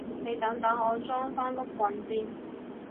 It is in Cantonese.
你等等我裝返碌棍先